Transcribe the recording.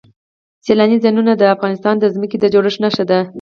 سیلانی ځایونه د افغانستان د ځمکې د جوړښت نښه ده.